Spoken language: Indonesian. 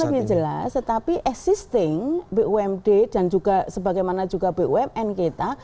lebih jelas tetapi existing bumd dan juga sebagaimana juga bumn kita